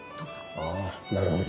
ああなるほど。